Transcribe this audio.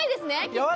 きっと。